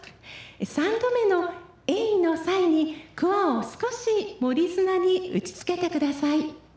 ３度目のえいの際にくわを少し、もりつなに打ちつけてください。